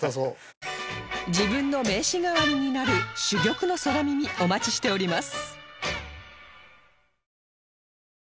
自分の名刺代わりになる珠玉の空耳お待ちしております